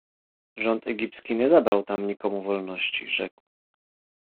- Rząd egipski nie zabrał tam nikomu wolności - rzekł.